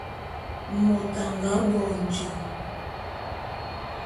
Môt a nga bo njem.